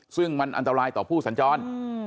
ซึ่งมันอันตรายต่อผู้สัญจร